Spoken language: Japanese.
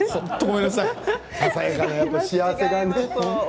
ささやかな幸せだね。